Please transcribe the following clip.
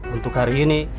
untuk hari ini